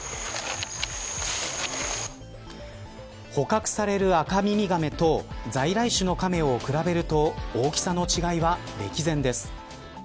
捕獲されるアカミミガメと在来種のカメを比べると大きさの違いは、歴然です。